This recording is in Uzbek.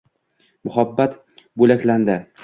Muhabbat bo’laklandi.